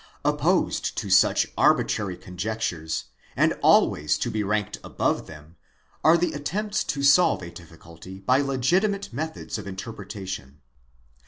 Opposed to such arbitrary conjectures, and always to be ranked above them, are the attempts to solve a difficulty by legitimate methods of interpretation.